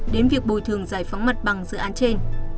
đến việc bồi thường giải phóng mặt bằng dự án trên